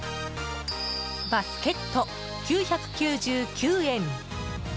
バスケット、９９９円。